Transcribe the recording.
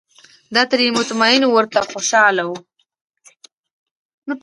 دای ترې مطمین او ورته خوشاله و.